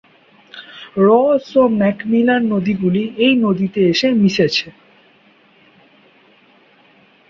রস ও ম্যাকমিলান নদীগুলি এই নদীতে এসে মিশেছে।